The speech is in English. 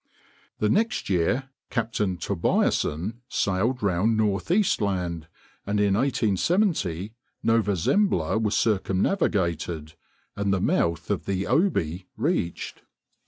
The next year Captain Tobieson sailed around Northeast Land, and in 1870 Nova Zembla was circumnavigated, and the mouth of the Obi reached.